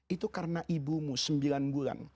itu karena ibumu sembilan bulan